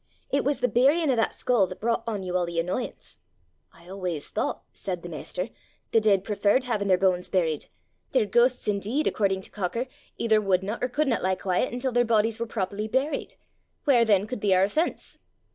It was the burying of that skull that brought on you all the annoyance.' 'I always thought,' said the master, 'the dead preferred having their bones buried. Their ghosts indeed, according to Cocker, either wouldna or couldna lie quiet until their bodies were properly buried: where then could be our offence?